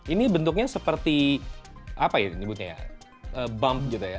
ini bentuknya seperti apa ya nyebutnya ya bump gitu ya